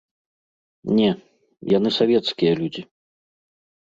Не, яны савецкія людзі.